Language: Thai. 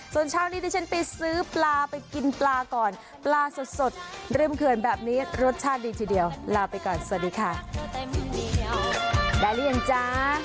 ส่วนเช้านี้ที่ฉันไปซื้อปลาไปกินปลาก่อนปลาสดเริ่มเกินแบบนี้รสชาติดีทีเดียวลาไปก่อนสวัสดีค่ะ